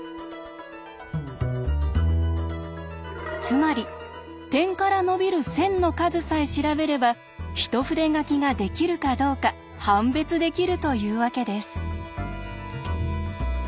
つまり点から伸びる線の数さえ調べれば一筆書きができるかどうか判別できるというわけです。